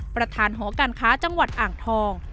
ประธานหอการค้าจังหวัดอ่างทอง